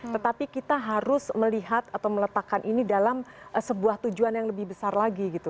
tetapi kita harus melihat atau meletakkan ini dalam sebuah tujuan yang lebih besar lagi gitu